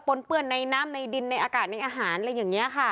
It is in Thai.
นเปื้อนในน้ำในดินในอากาศในอาหารอะไรอย่างนี้ค่ะ